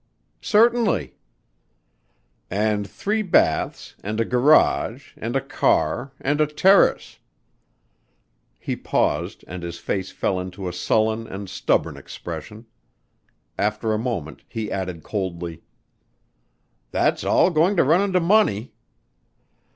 "Certainly." "And three baths, and a garage and a car and a terrace." He paused and his face fell into a sullen and stubborn expression. After a moment he added coldly, "That's all going to run into money."